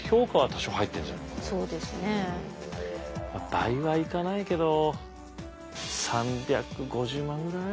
倍はいかないけど３５０万ぐらい。